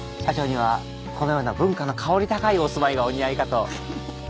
社長にはこのような文化の薫り高いお住まいがお似合いかと。